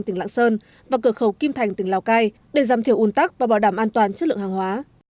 tỉnh lạng sơn và cửa khẩu kim thành tỉnh lào cai để giảm thiểu un tắc và bảo đảm an toàn chất lượng hàng hóa